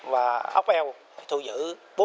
và ốc eo thu giữ bốn mươi máy dầu